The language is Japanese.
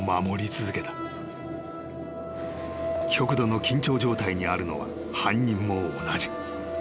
［極度の緊張状態にあるのは犯人も同じ］